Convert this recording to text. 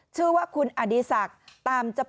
ชื่อว่าคุณอดีศักดิ์ตามจับ